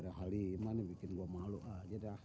ada halimana bikin gua malu aja dah